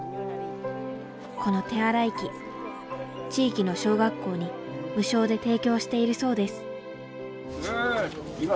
この手洗い器地域の小学校に無償で提供しているそうです。